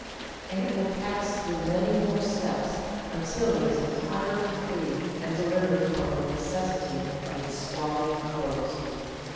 And it will pass through many more steps until it is entirely free and delivered from the necessity of its swaddling clothes.